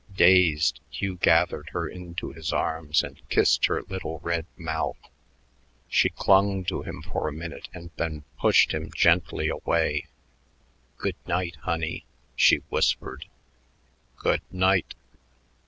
Dazed, Hugh gathered her into his arms and kissed her little red mouth. She clung to him for a minute and then pushed him gently away. "Good night, honey," she whispered. "Good night."